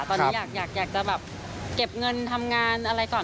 ตอนนี้อยากจะแบบเก็บเงินทำงานอะไรก่อน